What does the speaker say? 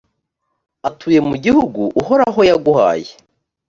atuye mu gihugu uhoraho yaguhaye,